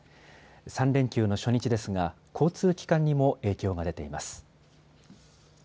３連休の初日ですが交通機関にも影響が出ています。